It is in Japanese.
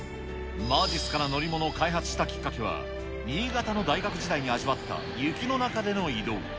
まじっすかな乗り物を開発したきっかけは、新潟の大学時代に味わった雪の中での移動。